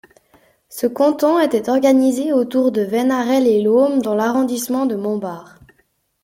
Ce canton était organisé autour de Venarey-Les Laumes dans l'arrondissement de Montbard.